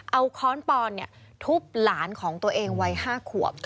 เอาค้อนปอนทุบหลานของตัวเองวัย๕ขวบ